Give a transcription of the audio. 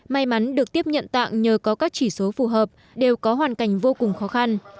may mắn được tiếp nhận tạng nhờ có các chỉ số phù hợp đều có hoàn cảnh vô cùng khó khăn